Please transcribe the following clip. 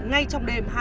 ngay trong một ngày